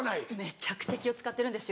めちゃくちゃ気を使ってるんです。